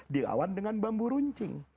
dilawan dengan bambu runcing